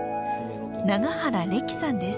永原レキさんです。